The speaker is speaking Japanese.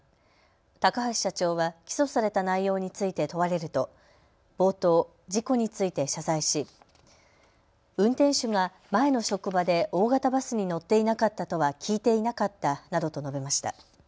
高橋社長は起訴された内容について問われると冒頭、事故について謝罪し運転手が前の職場で大型バスに乗っていなかったとは聞いていなかったなどと述べました。